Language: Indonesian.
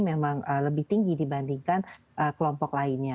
memang lebih tinggi dibandingkan kelompok lainnya